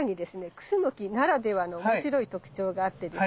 クスノキならではの面白い特徴があってですね